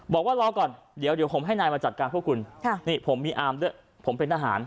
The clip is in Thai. บอกว่ารอก่อนเดี๋ยวผมให้นายมาจัดการพวกคุณนี่ผมมีอาร์มด้วยผมเป็นทหาร